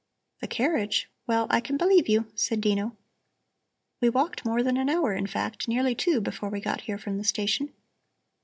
"The carriage? Well, I can believe you," said Dino. "We walked more than an hour, in fact, nearly two, before we got here from the station.